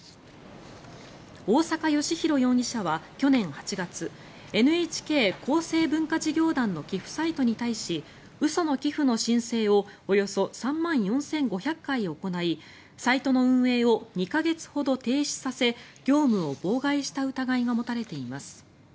大坂良広容疑者は去年８月ＮＨＫ厚生文化事業団の寄付サイトに対し嘘の寄付の申請をおよそ３万４５００回行いサイトの運営を２か月ほど停止させ業務を妨害した疑いが持たれています。